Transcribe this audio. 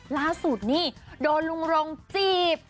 ล่าสุดนี่โดนลุงรงจีบ